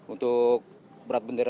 untuk berat bendera